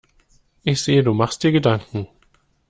Ich sehe, du machst dir Gedanken.